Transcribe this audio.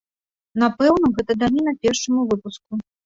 Напэўна, гэта даніна першаму выпуску.